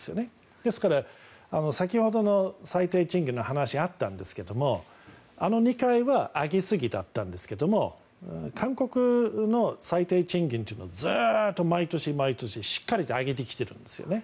ですから、先ほどの最低賃金の話があったんですがあの２回は上げすぎだったんですけども韓国が最低賃金というのをずっと毎年、毎年しっかり上げてきてるんですよね。